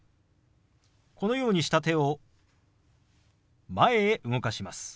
このようにした手を前へ動かします。